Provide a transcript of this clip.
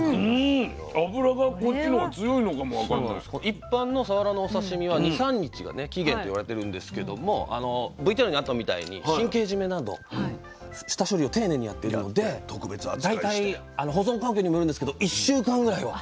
一般のさわらのお刺身は２３日が期限と言われてるんですけどもＶＴＲにあったみたいに神経締めなど下処理を丁寧にやっているので大体保存環境にもよるんですけど１週間ぐらいは。